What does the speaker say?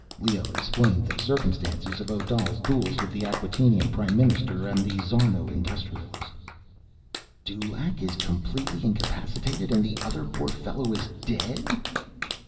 Leoh explained the circumstances of Odal's duels with the Acquatainian prime minister and Szarno Industrialist. "Dulaq is completely incapacitated and the other poor fellow is dead?"